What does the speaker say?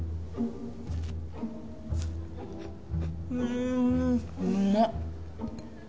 んうまっ。